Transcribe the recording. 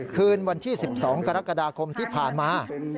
คืนวันที่๑๒กรกฎาคมที่ผ่านมา